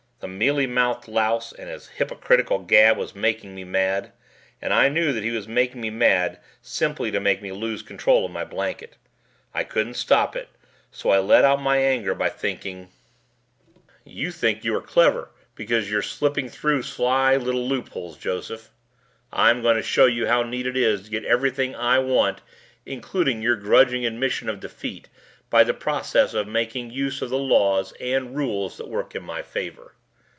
The mealymouthed louse and his hypocritical gab was making me mad and I knew that he was making me mad simply to make me lose control of my blanket. I couldn't stop it, so I let my anger out by thinking: "You think you are clever because you're slipping through sly little loopholes, Joseph. I'm going to show you how neat it is to get everything I want including your grudging admission of defeat by the process of making use of the laws and rules that work in my favor."